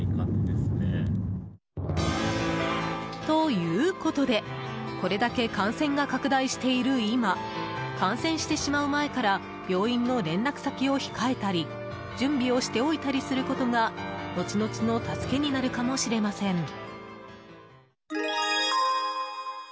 ということでこれだけ感染が拡大している今感染してしまう前から病院の連絡先を控えたり準備をしておいたりすることが後々の助けになるかもしれません。